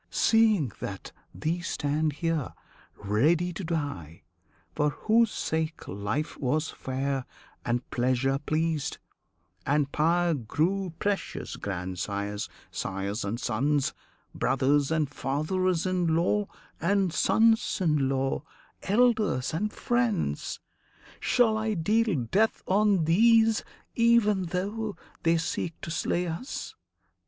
Seeing that these stand here, ready to die, For whose sake life was fair, and pleasure pleased, And power grew precious: grandsires, sires, and sons, Brothers, and fathers in law, and sons in law, Elders and friends! Shall I deal death on these Even though they seek to slay us?